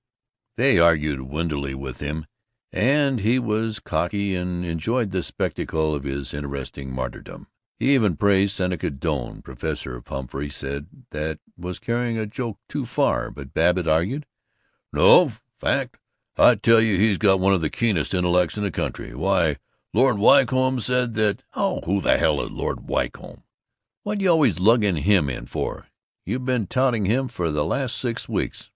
They argued windily with him, and he was cocky, and enjoyed the spectacle of his interesting martyrdom. He even praised Seneca Doane. Professor Pumphrey said that was carrying a joke too far; but Babbitt argued, "No! Fact! I tell you he's got one of the keenest intellects in the country. Why, Lord Wycombe said that " "Oh, who the hell is Lord Wycombe? What you always lugging him in for? You been touting him for the last six weeks!"